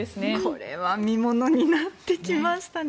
これは見ものになってきましたね。